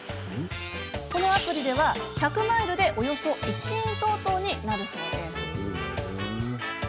このアプリでは、１００マイルでおよそ１円相当になるそうです。